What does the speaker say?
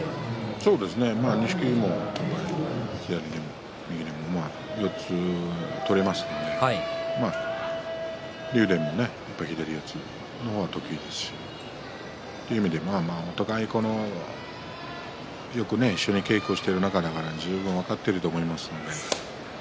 錦木も左でも右でも四つは取れますので竜電も左四つ得意ですしという意味でお互いによく一緒に稽古している仲だから十分に分かっていると思います。